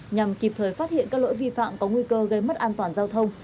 nhằm kịp thời phát hiện các lỗi vi phạm có nguy cơ gây mất an toàn giao thông